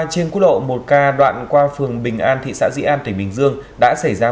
trên quốc lộ một k đoạn qua phường bình an thị xã dĩ an tỉnh bình dương